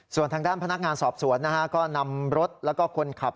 ส่วนทางด้านพนักงานสอบสวนนะฮะก็นำรถแล้วก็คนขับ